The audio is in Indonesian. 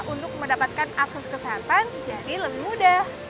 untuk mendapatkan akses kesehatan jadi lebih mudah